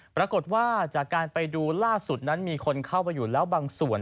ปรากฏว่าจากการไปดูล่าสุดนั้นมีคนเข้าไปอยู่แล้วบางส่วน